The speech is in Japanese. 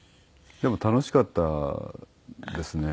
でも楽しかったですね。